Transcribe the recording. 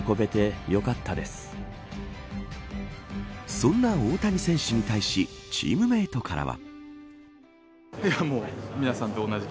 そんな大谷選手に対しチームメートからは。